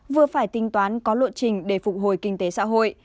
vừa phải tính toán có lộ trình để phục hồi kinh tế xã hội